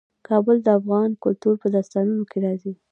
کابل د افغان کلتور په داستانونو کې راځي.